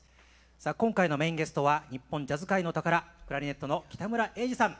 さあ今回のメインゲストは日本ジャズ界の宝クラリネットの北村英治さん！